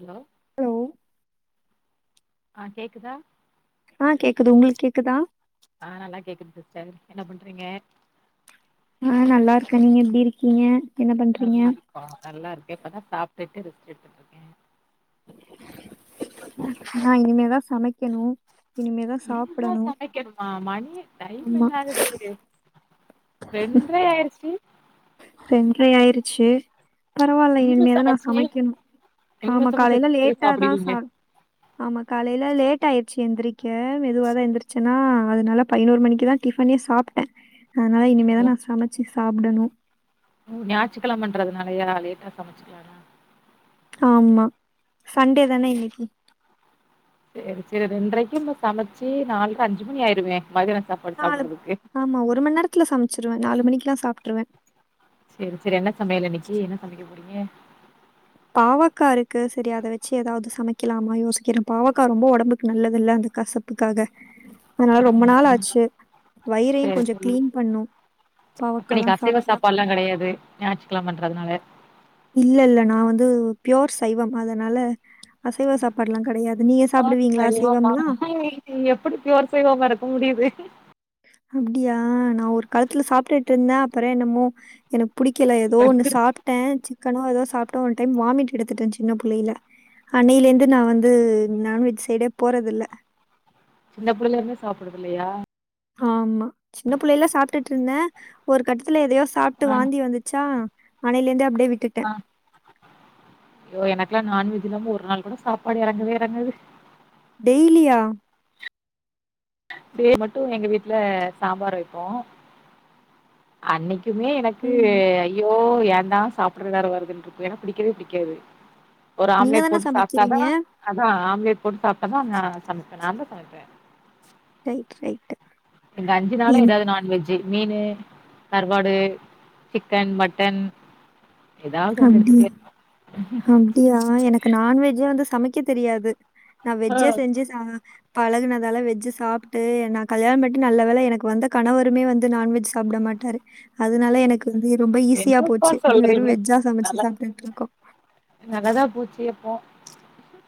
Hello hello ஆஹ் கேக்குதா ஆஹ் கேக்குது உங்களுக்கு கேக்குதா ஆஹ் நல்லா கேக்குது சிஸ்டர் என்ன பண்றீங்க ஆஹ் நல்லா இருக்கேன் நீங்க எப்படி இருக்கீங்க என்ன பண்றீங்க நல்லா இருக்கும்கோம் நல்லா இருக்கே இப்பதா சாப்பிட்டுட்டு இரு எடுத்துகிட்டு இருக்க நான் இனிமேதான் சமைக்க வைக்கணும் இனிமேதான் இனிமேதா சாப்பிடணும் சமைக்கணுமா மணி டைம் என்ன ஆகுது ரெண்ட்ரை ஆயிருச்சு ரெண்ட்ரை ஆயிருச்சு பரவாயில்லை இனிமே இனிமேதான் நான் சமைச்சு சமைக்கணும் இனிமே ஆமா சமைச்சு காலையில எத்தன லேட்டாாதான் சாப்டுவீங்க சாப் ஆமா காலையில லேட் ஆயி சி எந்திரிக்க மெதுவாதான் எந்திரிச்சன்னா அதனால பயினொரு மணிக்குதான் டிஃபனே சாப்ட்டன் அதனால இனிமேதான் நான் சமைச்சு சாப்டணும் ம் ஞாச்சுக்கெலமண்றது நாலயா லேட்டா சமைச்சுக்கலான் ஆமா சண்டே தானே இன்னிக்கு சரி சரி ரன்றக்கு சமைச்சு நாள்ற அஞ்சு மணி ஆய்டுமே மதியா நாலு ஆமா ஒரு மணி நேரத்துல சமைச்சிருவேன் நாலு மணிக்குல்லாம் சாப்ட்டுருவேன் சரி சரி என்ன சமையல் இன்னைக்கு என்ன சமைக்க போறீங்க பாவக்காருக்கு சரி அத வச்சு எதாவது சமைக்கலாமா யோசிக்கிறேன் பாவக்கா ரொம்ப ஒடம்புக்கு நல்லது இல்ல அந்த கசப்புக்காக அதனால ரொம்ப நாள் ஆச்சு வயிறையும் சேரி கொஞ்சம் சேரி கிளீன் பண்ணும் பாவக்காலாம் சாப்ட்டா ஞாற்றுக்கெலமண்றதுனால இல்ல இல்ல நான் வந்து பியோர் சைவம் அதனால அசைவ சாப்பாடுலாம் கிடையாது. நீங்க பியோர் சாப்பிடுவீங்களா சைவமா அசைவம்லாம்? ஆஹ் இது எப்படி பியோர் சைவமா இருக்க முடியுது அப்டியா நா ஒரு காலத்துல சாப்ட்டுட்டு இருந்தன் அப்புறம் என்னமோ எனக்கு புடிக்கல ஏதோ ஒன்னு சாப்ட்டன் ச கனோ ஏதோ சாப்ட்டன் ஒன் டைம் வாமிட் எடுத்துட்டன் சின்ன புள்ளையில அன்னையில இருந்து நான் வந்து நான்வெஜ் சைடே போறதுல்ல சின்ன புள்ளையில இருந்தே சாப்டுறது இல்லையா ஆமா சின்ன பிள்ளைல சாப்ட்டுட்டு இருந்தன் ஒரு கட்டத்துல எதையோ சாப்ட்டு வாந்தி வந்துச்சா அனைலிருந்தே அப்டி ஆஹ் யோ எனக்கு லான் நான்வெஜ் இல்லாம ஒரு நாள் கூட சாப்பாடு எறங்கவே எறங்காது டெய்லியா டே மட்டும் எங்க வீட்ல சாம்பார் வைப்போம் அன்னைக்கு குமே எனக்கு ம். ஐயோ ஏன் தான் சாப்டற நேரம் வருதுன்றுக்கும் ஏன்னா பிடிக்கவே பிடிக்காது ஒரு நீங்க ஆம்லேட் தான போட்டு சாப்ட்டாதா சமைக்கிறீங்க? அதான் ஆ ம்லேட் போட்டு சாப்ட்ட தான் நா சமப்பேன் நான் தான் சமப்பேன் ரைட் ரைட்டு இங்க அஞ்சு நாளும் எதாவது நான்வெஜ் ஜி மீனு கறுவாடு சிக்கன் மட்டன் ஏதாவது ஒண்ணு அப்டி எடுத்துட்டே அப்டியா எனக்கு நான்வெஜ்ஜா வந்து சுத் தமைக்க தெரியாது நா வெஜ்ஜே ம் செஞ்சு சாப் பழகுனதால வெஜ்ஜு சாப்ட்டு நா கல்யாண்பண் நல்ல வேல எனக்கு வந்த கணவருமே வந்து நான்வெஜ் சாப்பிட மாட்டாரு அதுனால எனக் ந்து ரொம்ப ஈஸியா என்னப்பா போச்சு வெறு சொல்றீங்க வெஜ்ஜா சமச்சு நல்லா சாப்ட்டுட்டுருக்கோ [unintelligible]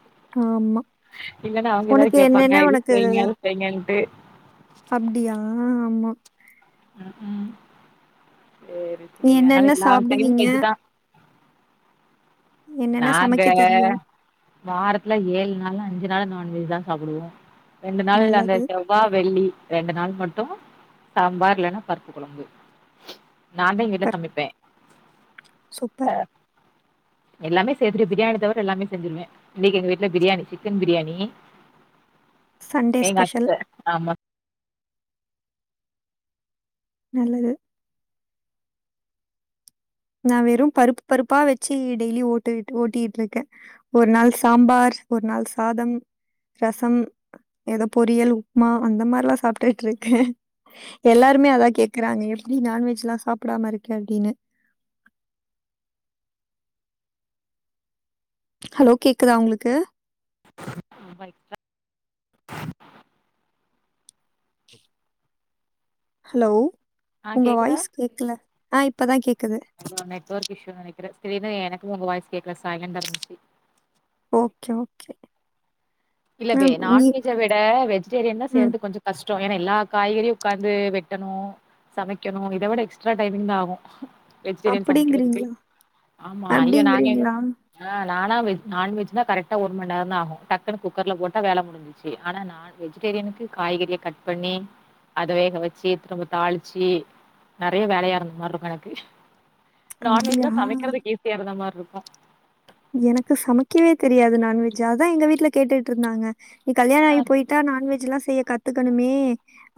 ஆமா இல்லனா அவுங்க எதாது உனக்கு கேப்பாங்க என்னன்னா இது உனக்கு செய்ங்க அது செய்ங்கன்ட்டு உம் ஆமா ம் ஹும் செரி செரி ஆனால என்னென்ன எல்லா டைமும் சாப்பிடுவீங்க? வெஜ்ஜிதா என்னென்ன நாங்க சமைக்க தெரியும்? வாரத்துல ஏழு நாள் [unintelligible] நான்வெஜ்தா ரெண்டு நாள் அந்த நல்லது. செவ்வா வெள்ளி ரெண்டு நாள் மட் டு சாம்பார் இல்லனா பருப்பு கொழம்பு நா தா எங்க வீட்ல பர் சமப்பே சூப்பர். ஆ எல்லாமே சேத்துடு பிரியாணி தவிர எல்லாமே செஞ்சுருவே இன்னக்கி எங்க வீட்ல பிரியாணி சிக்கன் பிரியாணி சண்டே எங்க ஸ்பெஷல். அத்த ஆமா நல்லது நா வெறு பருப்பு பருப்பா வச்சு டெய்லி ஓட்டுட் ஓட்டிட்டு இருக்க ஒரு நாள் சாம்பார் ஒரு நாள் சாதம் ரசம் ஏதோ பொரியல் உப்மா அந்த மாரிலா சாப்ட்டுட் இருக்க எல்லாருமே அதா கேக்குறாங்க எப்டி நான்வெஜ்லா சாப்பிடாம இருக்க அப்டினு ஹலோ கேக்குதா உங்ளுக்கு [unintelligible] ஹலோ ஆ உங்க கேக்குதா வாய்ஸ் கேட்கல. ஆ இப்பதான் கேக்குது. ஆமா நெட்வொர்க் இஷீனு நினக்கிற தீடிர்னு எனக்கு உங்க வாய்ஸ் கேக்ல [unintelligible] ஓகே ஓகே அ இல்லவே நீ நான்வெஜ்ஜ விட வெஜிடேரியன் தா ம். செய்றது கொஞ்சோ கஷ் [unintelligible] எல்லா காய்கறியு உட்காந்து வெட்டணு சமைக்கணு இதை விட எக்ஸ்ட்ரா டைமிங் தா ஆகு வெஜிடேரியன் சமக்கிறதுக்கு அப்படிங்கிறீங்களா? ஆமா ஐய நங்க எங்க அப்படிங்கிறீங்களா? ஆ நானா வெஜ் நான்வெஜ் தா கரக்டா ஒரு மண் நேரதா ஆகு சட்டுன்னு குக்கர்ல போட்டா வேல முடிஞ்சுச்சு ஆனா நா வெஜிடேரியனுக்கு காய்கறிய கட் பண்ணி அத வேக வச்சு திரும்ப தாளிச்சு நிறய வேலையா இருந்த மாரி இருக்கு எனக்கு நான்வெஜ் அப்டியா தா சமக்கிறதுக்கு ஈசியா இருந்த மார் இருக் எனக்கு சமைக்கவே தெரியாது நான்வெஜ் அதா எங்க வீட்ல கேட்டுட்டு இருந்தாங்க நீ கல்யாண ஆ ஆயி போயிட்டா நான்வெஜ் ஜ்லா செய்ய கத்துக்கணுமே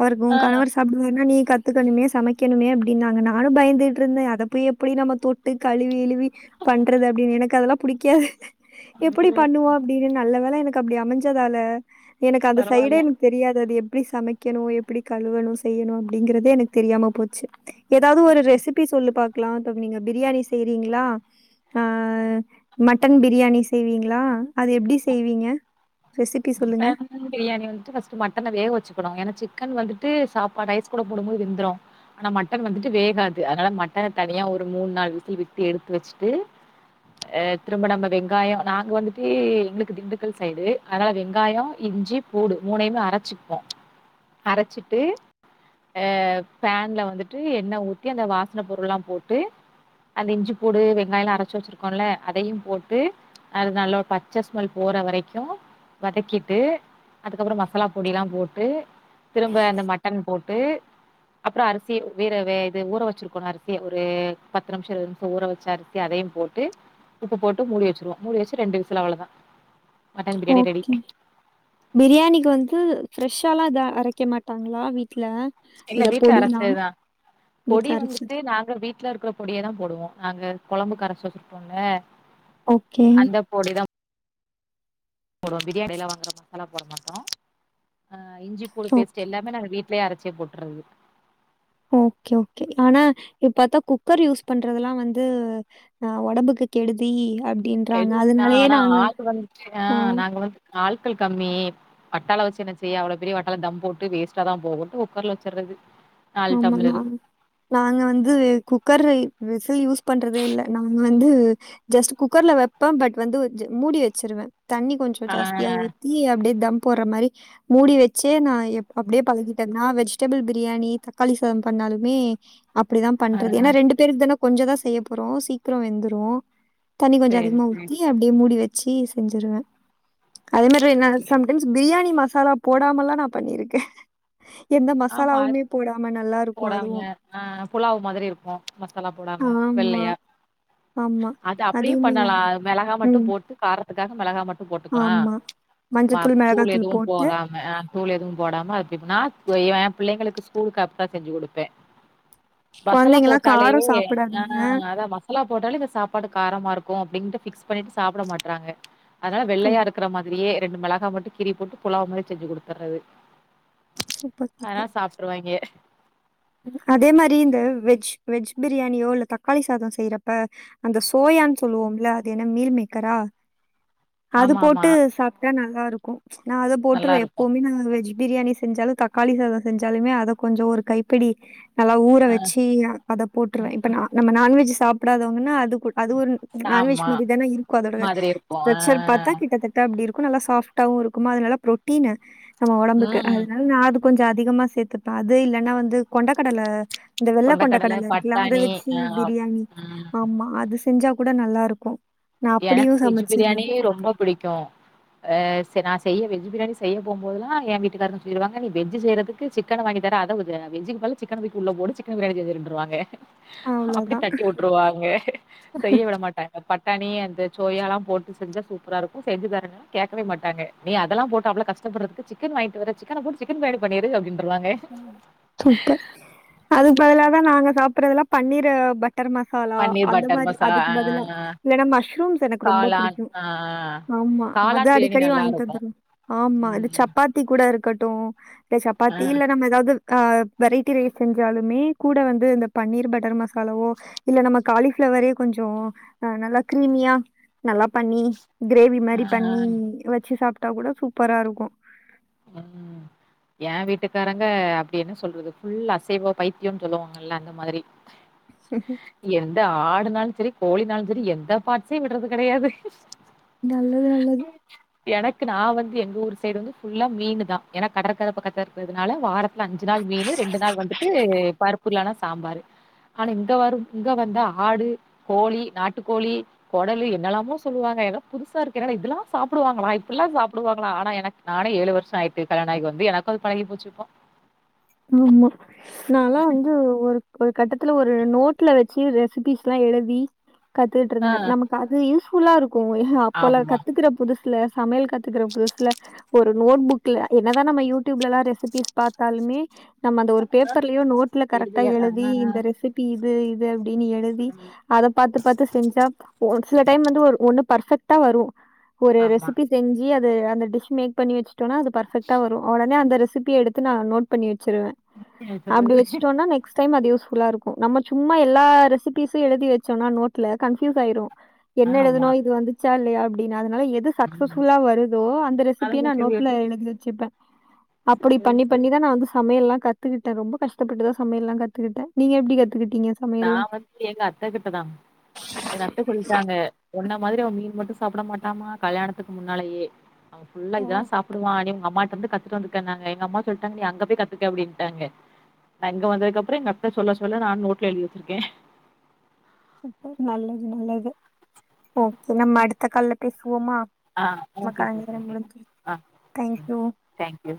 அவருக்கு ஆ உன் கணவர் சாப்டுவார்னா நீ கத்துக்கணுமே சமைக்கணுமே அப்டின்னாங்க நானும் பயந்திட்டுருந்த அத போய் எப்டி நாம தொட்டு களிவி இழுவி பண்றது அப்டின்னு எனக் க்கு அதெல்லா புடிக்காது எப்டி ம் பண்ணுவோ அப்டின்னு நல்ல வேல எனக் கு அப்டி அமஞ்சதால எனக்கு அந்த சைடே பரவால்ல எனக்கு தெரியாது அது எப் எப்டி சமைக்கணு எப்டி களுவணு செய்யணு அப்டிங்கறதே எனக் தெரியாம போச்சு எதாவது ஒரு ரெசிபி சொல்லு பாக் க்லா [unintelligible] நீங்க பிரியாணி செய்றீங்களா அஹ் மட்டன் பிரியாணி செய்வீங்களா அது எப்டி செய்வீங்க ரெசிபி சொல்லுங்க. மட்டன் பிரியாணி வந்துட்டு ஃபஸ்ட் மட்டன வேக வெச்சுக்கணு ஏனா சிக் கன் வந்துட்டு சாப்பாடு ரைஸ் கூட போடும்போது வெந்துரு ஆனா மட்டன் வந்துட்டு வேகாது அதனால மட்டன தனியா ஒரு மூணு நாள் விசில் விட்டு எடுத்து வெச்சுட்டு திரும்ப நாம வெங்காயோ நாங்க வந்துட்டு எங்களுக்கு திண்டுக்கல் சைடு ஆனா வெங்காயோ இஞ்சி பூடு மூணயுமே அரச்சிப்போ அரச்சிட்டு அஹ் பேன்ல வந்துட்டு எண்ண ஊத்தி அந்த வாசன பொருள்லா போட்டு அந்த இஞ்சி பூடு வெங்காயம்ல அரச்சு வச்சிருக்கோம்ல அதயும் போட்டு அது நல்லா பச்ச ஸ்மெல் போற வரைக்கு வதக்கிட்டு அதுக்கப்பறம் மசாலா பொடியவல்லா போட்டு திரும்ப அந்த மட்டன் போட்டு அப்பறோ அரிசி வேற வே இது ஊற வெச்சிருக்கோனு அரிசி ஒரு பத்து நிமிஷோ இருவது நிமிஷோ ஊற வச்ச அரிசி அதயும் போட்டு உப்பு போட்டு மூடி வச்சிருவோ மூடி வேச்சு ரெண்டு விசில் அவ்ளதா மட்டன் பிரியாணி ரெடி கே பிரியாணிக்கு வந்ட்டு ஃப்ரெஷ்ஷாலா எது அரைக்க மாட்டாங்களா வீ் ட்ல இல்ல அந்த வீட்ல பொடிலா அரச்சதுதா வீட்ல பொடி அரச்சது வந்துட்டு நாங்க வீட்ல இருக்கிற பொடியதா போடுவோ நாங்க கொளம்புக்கு அரச்சு வச்சுருப்போம்ல்ல ஓகே, அந்த பொடிதா போடுவோ பிரியாணில வாங்குற மசாலா போட மாட்டோ ஆ இஞ்சி பூடு ஓகே. பேஸ்ட் எல்லாமே நாங்க வீட்லயே அர ச்சையா போட்டறது ஓகே ஓகே ஆனா இப் பாத்தா குக்கர் யூஸ் பண்றதெல்லா வந்து அஹ் ஒடம்புக்கு கெடுதி அப்டின்றாங்க. கெடுதிதா அதனாலயே ஆனா நாங்க ஆள் வந்துட்டு ஆ ஆஹ் நாங்க வந்து ஆள்கள் கம்மி வட்டால வச்சு என்ன செய்ய அவ்ளோ பெரிய வட்டால தம் போட்டு வேஸ்ட்டாதா போகும்ட்டு குக்கர்ல வெச்சர்றது ஆமா நாங் நாங்க வந்து குக்கர் விசில் யூஸ் பண்றதே இல்ல நாங்க வந் வந்து ஜஸ்ட் குக்கர்ல வெப்ப பட் வந்து மூடி வெச்சிருவ தண்ணி கொஞ்சோ ஆ ஜாஸ்தியா ஊத்தி அப்டியே தம் போட்ற மாரி மூடி வச்சே நா எப் அப்டே பழகிட்டன்னா வெஜ்டபள் பிரியாணி த காளி சாதம் பண்ணாலுமே அப்டிதா ஆ பண்றது ஏன்னா ரெண்டு பேர்க்கு தானா கொஞ்ச தா செய்ய போறோம் சீக்கிரோ வெந்துரும் தண்ணி கொஞ்ச சேரி அதிகுமா சேரி ஊத்தி அப்டியே மூடி வ ச்சி செஞ்சுருவ அதே மாரி இன்னொரு சேரி சம்டைம்ஸ் பிரியாணி மா சாலா போடாமல்லா நா பண்ணிருக்கே எந்த மசாலாவுமே போடாம நல்லாருக்கும் அதுவும். போடாம்ம ஆஹ் புலாவ் மாதிரி இருக்கு மசாலா போடாம ஆமா, வெள்ளையா ஆமா. அது அப்பிடியும் அதுவுமே பண்ணலா நல்லா மெளகா மட்டு ம். போட்டு கார் ரத்துகாக மெளகா மட் டும் போட்டுகுலா ஆமா. ச் மா மஞ்சத்தூள், தூள் மிளகாத்தூள் எதுவும் போட்டு போறாம தூள் எதும் போடாம அப்பிப்புனா பொய்வ பிள்ளைங்களுக்கு ஸ்கூலுக்கு அப்ட்தா செஞ்சு குடுப்பே மசாலா குழந்தைங்கலாம் போட்டாலே காரம் சாப்பிடாதுங்க. ஆஹ் அதா மசாலா போட்டாலே இந்த சாப்பாடு காரமா இரு கோ அப்டின்ட்டு ஃபிக்ஸ் பண்ணிட்டு சாப்புட மாட்றாங்க அதா நா ஓ! வெள்ளையா இருக்குற மாதிரியே ரெண்டு மெளகா மட்டு கீரி போட்டு புலாவ் மாரி செஞ்சு குடுத்தர்றது சூப்பர், ஆனா சூப்பர். சாப்ட்ருவாய்ங்க அதே மாரி இந்த வெஜ் வெஜ் பிரியாணியோ இல்ல தக்காளி சாதோ செய்றப்ப அந்த சோயான் சொல்லுவோம்ல அது என்ன மீல் மேக்கரா அது ஆமா ஆமா போட்டு சாப்ட்டா நல்லா இருக்கு நா அத நல்லா போட்ருவே இருக்கு எப்பவ்மே நான் வெஜு பிரியாணி செஞ்சாலு தக்காளி சாதோ செஞ்சாலுமே அத கொஞ்சோ ஒரு கை பிடி நல்லா ஊற ஆ வச்சி அத போட்ருவே ம் இப்ப நா நம்ம நான்வெஜ் சாப்டாதவுங்குன்னா அதுகூல் அது ஒரு நான்வெஜ் ஆமா மறி தான இருக்கு அதோட மாதிரி இருக்கு ஆ ஸ்ட்ரக்சரு பாத்தா கிட்டத்தட்ட அப்டி இருக் கு நல்லா சாஃப்டாவு இருக்குமா அதுநல்ல ப்ரொட்டீனு நம்ம ஒடம்புக்கு ம் அதுனால நா அதுப் கொஞ்ச அதிகமா சேத்துப்ப அது இல்லன்னா வந்து கொண்ட கடல இந்த வெள்ள கொண்டக்கடல கொண்டகடல இருக்குல அத பட்டாணி வச்சி ஆ பிரியாணி ம் ஆமா அதுஸ் செஞ்சா கூட நல்லாருக்கு எனக்கு வெஜு பிரியாணி ரொம்போ பிடிக்கு அஹ் செர் நா செய்யவில் பிரியாணி செய்ய போம் போதுலா என் வீட்டுகாருதா சொல்லிருவாங்க நீ வெஜ்ஜு செய்றதுக்கு சிக்கன வாங்கி தர அதவுது வெஜ்ஜுக்கு பதிலு சிக்கன தூக்கி உள்ள போடு சிக்கனு பிரியாணி செஞ்சிருன்ருவாங்க அப்புடி அவ்ளோதான் தட்டி உட்ருவாங்க செய்ய விட மாட்டாங்க பட் தனியா சோயாலா போட்டுசெஞ்சா சூப்பரா இருக்கு செஞ்சுதரனா கேட்கவே மாட்டாங்க நீ அதலா போட்டு அவ்ளோ கஷ்டபடுறதுக்கு சிக்கன் வாங்கிட்டு வரேன் சிக்கன போட்டு சிக்கன் பிரியாணி பண்ணிடு அப்டின் சூப்பர் அதுக்கு பதில தான் நாங்க சா அப்புறம் எல்லாம் பன்னீர் பட் கரம் மசாலா பன்னீர் அந்த பட்டர் மாதிரி மசாலா அதுக்கு ஆ பதிலா ஏன்னா மஸ்ரூம்ஸ் எனக்கு ரொம்ப காளான் புடிக்கும் ஆ ஆமா அத காளான் பிரியாணி அடிக்கடி வாங்கி நல்லாருக்கும். தந்துர்ணும் ஆமா இந்த ம். சப்பாத்தி கூட கட்டும் ஆ, [unintelligible] நம்ம எதாது ஆஹ் வெரைட்டி ரைஸ் செஞ்சாலுமே கூட வந்து இந்த பன்னீர் பட்டர் மசாலாவோ இல்ல நம்ம காலிஃப்ளவரே கொஞ்சம் அஹ் நல்லா க்ரீமியா நல்லா பண்ணி கிரேவி ஆ, மாதிரி பண்ணி வச்சு சாப்ப ட்டா கூட சூப்பரா இருக்கும் உஹம் ஏன் வீட்டுக்காரங்க அப்படி என்ன சொல்றது ஃபுல் அசைவோ பைத்தியம்னு சொல்லுவாங்கல்ல அந்த மாதிரி எந்த ஆடு னாலும் சரி கோழினாலும் சரி எந்த பாட்சையும் விடுறது கிடையாது நல்லது நல்லது எனக்கு நான் வந்து எங்க ஊர் சைடு வந்து புல்லா மீனு தான் ஏன்னா கடற்கரை பக்கத்துல இருக்கிறதுனால வாரத்துல அஞ்சு நாள் மீனு ரெண்டு நாள் வந்துட்டு பருப்பு இல்லனா சாம்பாரு ஆனா இங்க வரும் இங்க வந்த ஆடு கோழி நாட்டுக்கோழி கொடல் என்னெல்லாமோ சொல்லுவாங்க எனக்கு புதுசா இருக்கு இதெல்லாம் சாப்பிடுவாங்களா இப்டில்லாம் சாப்பிடுவாங்களா ஆனா எனக்கு நானும் ஏழு வருஷம் ஆயிட்டு கல்யாணம் ஆகி வந்து எனக்கு அது பழகி போச்சு போ ஆமா நாலாம் வந்து ஒரு ஒரு கட்டத்துல ஒரு நோட்ல வச்சு ரெசிபிஸ்லாம் எழுதி கத்துட்டு ஆ இருந்தேன் நமக்கு அது யூஸ் [unintelligible] கோய அப்பலா ஆமா. கத்துக்கற புதுசு சமையல் கத்துக்கிற புதுசல ஒரு நோட் புக்ல என்னதான் நம்ம யூடியூப்ல எல்லாம் ரெசிபிஸ் பாத்தாலுமே நம்ம அந்த ஒரு பேப்பர்லயோ நோட்ல கரெக்டா விடுதியா தான் எழுதி இந்த ரெசிபி இது இனு எழுதி ம் அத பாத்து பாத்து செஞ்சா ஒரு சில டைம் வந்து ஒண்ணு பர்பெக்ட் த்தவரு ஒரு ஆமா ரெசிபி செஞ்சு அ அந்த டிஷ் மேக் பண்ணி வச்சு இல்லனா அது பர்பெக்டா வரும் உடனே அந்த ரெசி சிப்பி எடுத்து நா நோட் பண்ணி வச்சுருவேன் என்ன அப்படி சொல்றது வச்சுட்டோம்ன்னா நெக்ஸ்ட் க் டைம் அது யுஸ்ஃபுல்லா இருக்கும் நம்ம சும்மா எல்லா ரெசிபிஸும் எழுதி வச்சோம்ன்னா நோட்டில கன்ஃப்யூஸ் ஆயிடும் என்ன ஆமா எழுதுனும் இது வந்து வன்சா இல்லையா அப்படின்னாது அதனால எது ம் சக்சஸ்ஃபுல்லா வருதோ அந்த ரெசிபிய அழகா நா சொல்லி நோட்டுல எழுதி வெச்சிப்ப அப்டி சரி பண்ணி சரி பண்ணிதா நான் வந்து சமையல்லா கத்துக்கிட்ட ரொம்ப கஷ்டப்பட்டுதா சமையல்லா கத்துக்கிட்ட நீங்க எப்டி கத் நா வந்து எங்க அத்த கிட்ட தா எங்க அத்த சொல்லிட்டாங்க ஒன்ன மாதிரி அவ மீன் மட்டும் சாப்ட மாட்டாமா கல்யாணத்துக்கு முன்னாலேயே அவ ஃபுல்லா ஓ! இதா சாப்புடுவா நீ உங்க அம்மாட்ட டந்து கத்துட்டு வந்துங்கன்னாங்க எங்கம்மா சொல்ட்டாங்க நீ அங்க போய் கத்துக்க அப்டின்ட்டாங்க நா இங்க வந்ததுக்கப்பறோ எங்க அத்த சொல்ல சொல்ல நா நோட்ல எழுதி வச்சிருக்கே சூப்பர் நல்லது நல்லது ஓ நம்ம அடுத்த கால்ல பேசுவோமா? ஆ ஓகே நமக்கான சிஸ் நேரம் ஓகே முடிஞ்சிருச்சு. ஆ தேங்க் ம் யூ. தேங்க்யூ